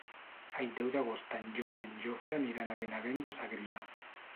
El deu d'agost en Llop i en Jofre aniran a Benavent de Segrià.